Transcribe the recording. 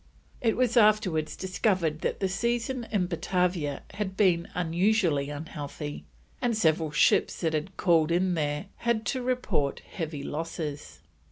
It was afterwards discovered that the season in Batavia had been unusually unhealthy, and several ships that had called in there had to report heavy losses.